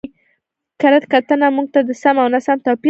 کره کتنه موږ ته د سم او ناسم توپير راښيي.